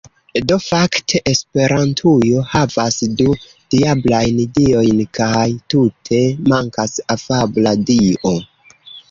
Do fakte esperantujo havas du diablajn diojn kaj tute mankas afabla dio